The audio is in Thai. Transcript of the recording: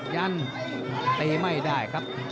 ยันตีไม่ได้ครับ